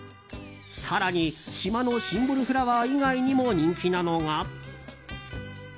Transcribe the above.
更に島のシンボルフラワー以外にも人気なのが。